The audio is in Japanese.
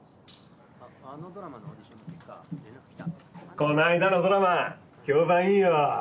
こないだのドラマ評判いいよ。